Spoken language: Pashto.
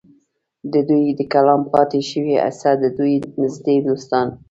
د دوي د کلام پاتې شوې حصه د دوي نزدې دوستانو